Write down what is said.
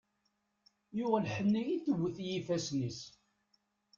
Yuɣ lḥenni i tewwet i yifassen-is.